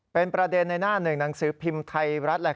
เป็นประเด็นในหน้าหนึ่งหนังสือพิมพ์ไทยรัฐ